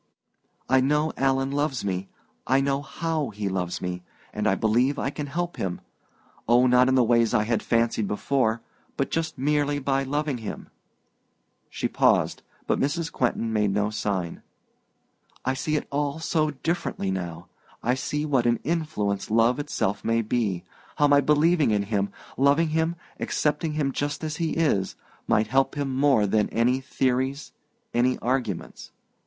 I know Alan loves me I know how he loves me and I believe I can help him oh, not in the ways I had fancied before but just merely by loving him." She paused, but Mrs. Quentin made no sign. "I see it all so differently now. I see what an influence love itself may be how my believing in him, loving him, accepting him just as he is, might help him more than any theories, any arguments.